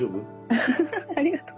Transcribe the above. ウフフフありがとう。